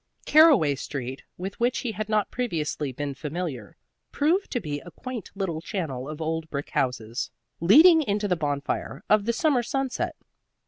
Caraway Street, with which he had not previously been familiar, proved to be a quaint little channel of old brick houses, leading into the bonfire of the summer sunset.